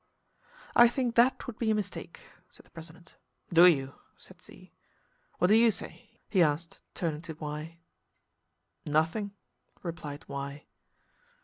"I think that would be a mistake," said the president. "Do you?" said Z. "What do you say?" he asked, turning to Y. "Nothing," replied Y.